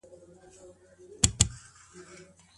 د چا شتمني په ميراث کي پاتې کيږي؟